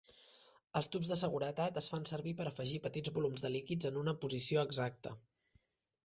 Els tubs de seguretat es fan servir per afegir petits volums de líquids en una posició exacta.